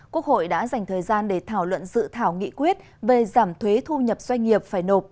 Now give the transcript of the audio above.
quốc hội đã dành thời gian để thảo luận dự thảo nghị quyết về giảm thuế thu nhập doanh nghiệp phải nộp